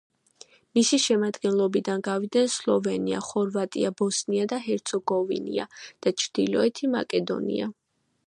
მისი შემადგენლობიდან გავიდნენ სლოვენია, ხორვატია, ბოსნია და ჰერცეგოვინა და ჩრდილოეთი მაკედონია.